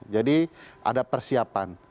jadi ada persiapan